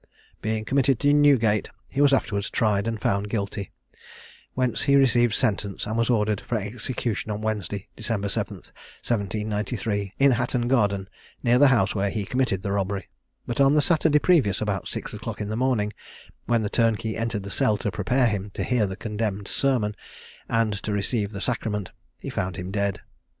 Being committed to Newgate, he was afterwards tried, and found guilty, when he received sentence, and was ordered for execution on Wednesday, December 8, 1793, in Hatton garden, near the house where he committed the robbery; but on the Saturday previous, about six o'clock in the morning, when the turnkey entered the cell to prepare him to hear the condemned sermon and to receive the sacrament, he found him dead.